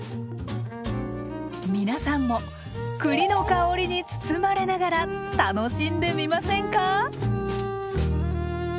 皆さんも栗の香りに包まれながら楽しんでみませんか？